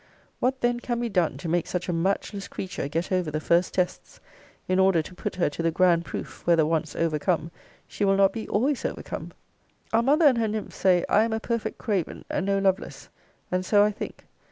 What then can be done to make such a matchless creature get over the first tests, in order to put her to the grand proof, whether once overcome, she will not be always overcome? Our mother and her nymphs say, I am a perfect Craven, and no Lovelace: and so I think.